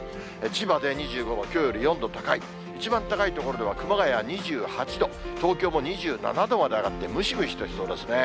千葉で２５度、きょうより４度高い、一番高い所では熊谷２８度、東京も２７度まで上がって、ムシムシとしそうですね。